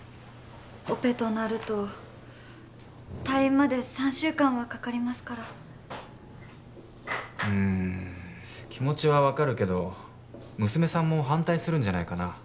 オペとなると退院まで３週間はかかりますからうーん気持ちは分かるけど娘さんも反対するんじゃないかな？